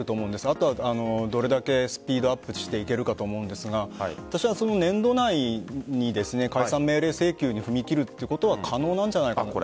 あとはどれだけスピードアップしていけるかだと思うんですが私は年度内に解散命令、請求に踏み切ることは可能なんじゃないかなと。